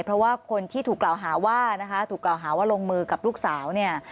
เพราะว่าคนที่ถูกกล่าวหาว่านะคะถูกกล่าวหาว่าลงมือกับลูกสาวเนี่ย